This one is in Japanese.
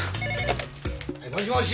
はいもしもし！